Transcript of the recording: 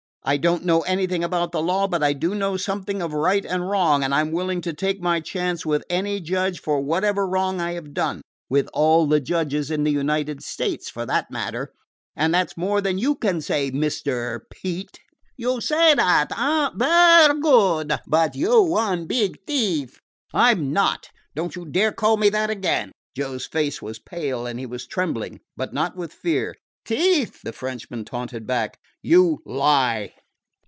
I don't know anything about the law, but I do know something of right and wrong; and I 'm willing to take my chance with any judge for whatever wrong I have done with all the judges in the United States, for that matter. And that 's more than you can say, Mr. Pete." "You say dat, eh? Vaire good. But you are one big t'ief " "I 'm not don't you dare call me that again!" Joe's face was pale, and he was trembling but not with fear. "T'ief!" the Frenchman taunted back. "You lie!"